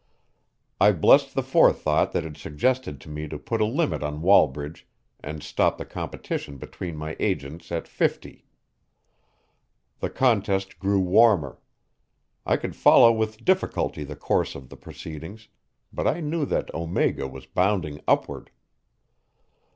I blessed the forethought that had suggested to me to put a limit on Wallbridge and stop the competition between my agents at fifty. The contest grew warmer. I could follow with difficulty the course of the proceedings, but I knew that Omega was bounding upward.